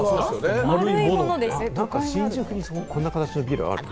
新宿にはこんな丸いビルあるな。